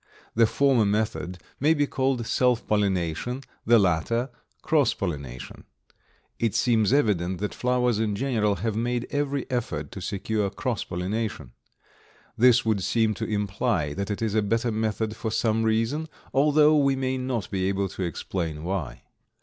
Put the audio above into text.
The former method may be called self pollination, the latter cross pollination. It seems evident that flowers in general have made every effort to secure cross pollination. This would seem to imply that it is a better method for some reason, although we may not be able to explain why.